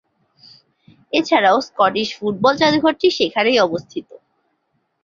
এছাড়াও Scottish football জাদুঘরটি সেখানেই অবস্থিত।